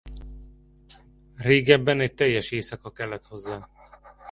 Régebben egy teljes éjszaka kellett hozzá.